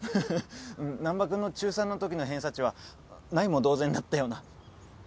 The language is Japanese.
難破君の中３のときの偏差値はないも同然だったような。